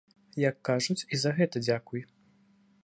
Як кажуць, і за гэта дзякуй.